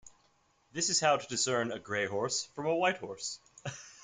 This is how to discern a gray horse from a white horse.